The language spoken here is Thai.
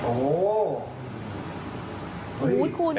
โอ้โฮ